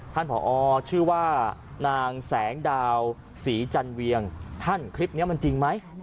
ผอชื่อว่านางแสงดาวศรีจันเวียงท่านคลิปนี้มันจริงไหม